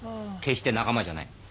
決して仲間じゃない。